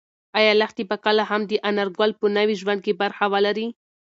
ایا لښتې به کله هم د انارګل په نوي ژوند کې برخه ولري؟